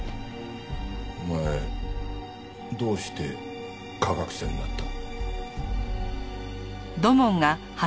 お前どうして科学者になった？